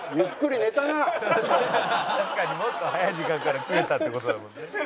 「確かにもっと早い時間から食えたって事だもんね」